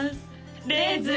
レーズン！